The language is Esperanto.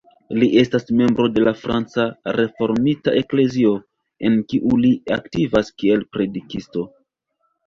Li estas membro de la Franca Reformita Eklezio, en kiu li aktivas kiel predikisto.